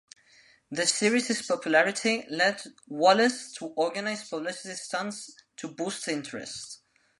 The series' popularity led Wallez to organise publicity stunts to boost interest.